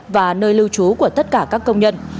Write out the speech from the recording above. và nơi lưu trú của tất cả các công nhân